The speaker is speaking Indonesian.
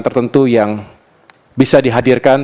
tertentu yang bisa dihadirkan